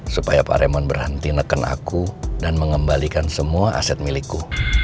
supaya pak remond berhenti neken aku dan mengembalikan semua aset milikku